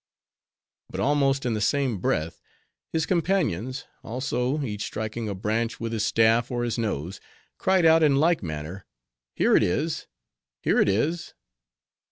But almost in the same breath, his companions, also, each striking a branch with his staff or his nose, cried out in like manner, 'Here it is! here it is!